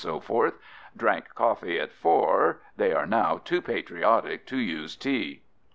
Drank Coffee at four, they are now too patriotic to use tea.